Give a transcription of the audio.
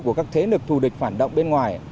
của các thế lực thù địch phản động bên ngoài